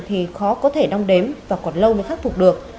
thì khó có thể đong đếm và còn lâu mới khắc phục được